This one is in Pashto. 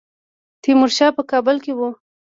تیمورشاه په کابل کې وو.